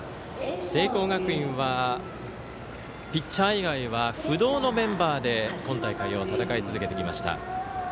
聖光学院はピッチャー以外は不動のメンバーで今大会を戦い続けてきました。